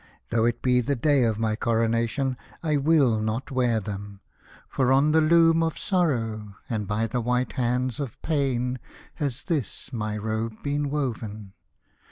Though it be the day of my coronation, I will not wear them. For on the loom of Sorrow, and by the white hands of Pain, has this my robe been woven.